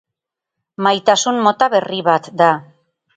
Maitasun mota berri bat da.